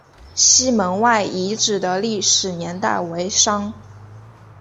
西门外遗址的历史年代为商。